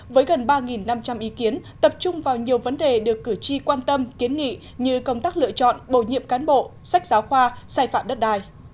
với gần ba năm trăm linh ý kiến tập trung vào nhiều vấn đề được cử tri quan tâm kiến nghị như công tác lựa chọn bổ nhiệm cán bộ sách giáo khoa sai phạm đất đai